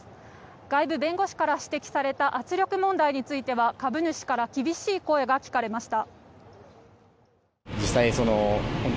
外部弁護士から指摘された圧力問題に関しては株主から厳しい声が聞かれました。